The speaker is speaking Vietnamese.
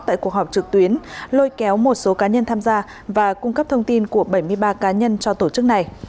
tại cuộc họp trực tuyến lôi kéo một số cá nhân tham gia và cung cấp thông tin của bảy mươi ba cá nhân cho tổ chức này